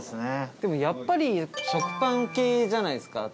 でも、やっぱり食パン系じゃないですか？